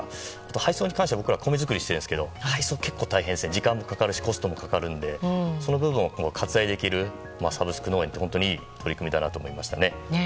配送に関しては僕ら米作りしているんですけど時間もコストもかかるのでその部分を割愛できるサブスク農園って本当にいい取り組みだなと思いましたね。